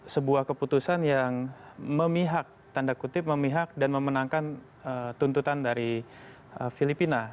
sebuah keputusan yang memihak tanda kutip memihak dan memenangkan tuntutan dari filipina